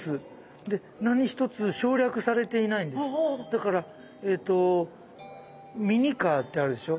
だからえっとミニカーってあるでしょ。